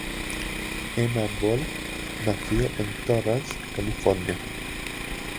Emma Bull nació en Torrance, California.